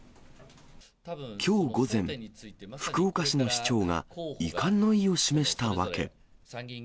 きょう午前、福岡市の市長が遺憾の意を示した訳。